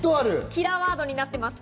キラーワードになっています。